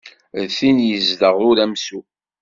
D tin yezdeɣ uramsu.